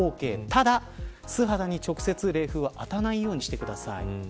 ただ、素肌に直接冷風が当たらないようにしてください。